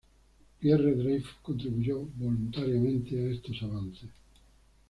Pierre Dreyfus contribuyó voluntariamente a estos avances.